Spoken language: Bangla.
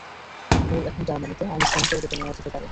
বোর এখন জার্মানিতে, আইনস্টাইনকেও ডেকে নেওয়া যেতে পারে।